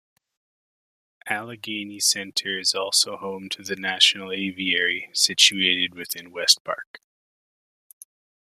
Allegheny Center is also home to the National Aviary, situated within West Park.